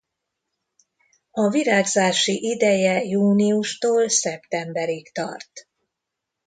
A virágzási ideje júniustól szeptemberig tart.